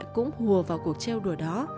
cũng hùa vào cuộc treo đùa đó